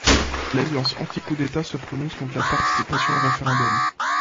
L'alliance anti-coup d'État se prononce contre la participation au référendum.